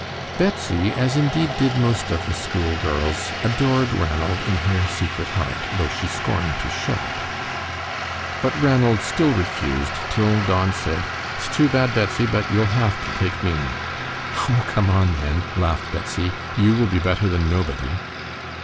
Betsy, as indeed did most of the school girls, adored Ranald in her secret heart, though she scorned to show it. But Ranald still refused, till Don said, "It is too bad, Betsy, but you'll have to take me." "Oh, come on, then!" laughed Betsy; "you will be better than nobody."